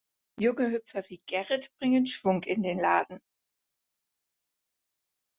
Junge Hüpfer wie Gerrit bringen Schwung in den Laden.